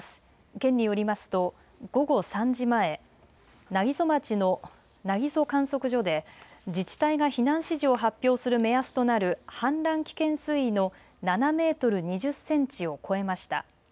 県によりますと午後３時前南木曽町の南木曽観測所で自治体が避難指示を発表する目安となる氾濫危険水位の７メートル２０センチを超えました。